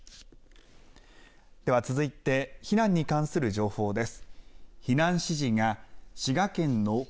では続いて避難に関する情報です。